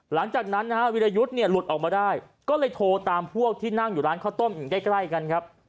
หลังจากนั้นนะฮะวิรยุทธ์เนี่ยหลุดออกมาได้ก็เลยโทรตามพวกที่นั่งอยู่ร้านข้าวต้มอยู่ใกล้กันครับ